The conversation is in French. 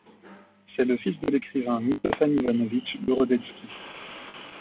C'est le fils de l’écrivain Mitofan Ivanovitch Gorodetski.